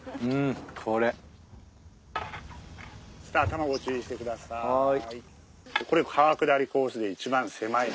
頭ご注意してください。